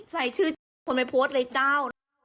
ใส่ชื่อคนไหมโพสต์ไอ้เจ้า